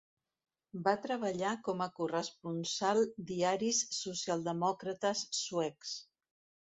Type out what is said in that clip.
Va treballar com a corresponsal diaris socialdemòcrates suecs.